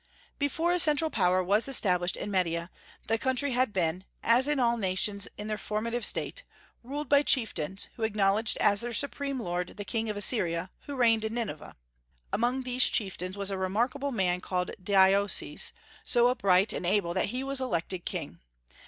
Before a central power was established in Media, the country had been as in all nations in their formative state ruled by chieftains, who acknowledged as their supreme lord the King of Assyria, who reigned in Nineveh. Among these chieftains was a remarkable man called Deioces, so upright and able that he was elected king.